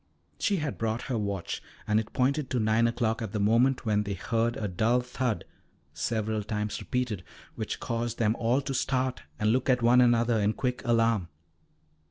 She had brought her watch, and it pointed to nine o'clock at the moment when they heard a dull thud several times repeated, which caused them all to start and look at one another in quick alarm.